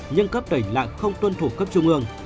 nhưng cấp tỉnh lại không tuân thủ cấp trung ương